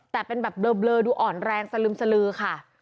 แต่เป็นแบบเบลอดูอ่อนแรงสลึมสลือค่ะ